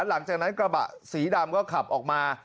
หลังจากงั้นกระบะสีดำครับออกมา